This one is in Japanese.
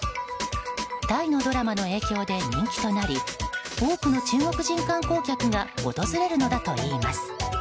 タイのドラマの影響で人気となり多くの中国人観光客が訪れるのだといいます。